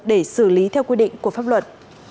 để xử lý theo quy định của pháp luật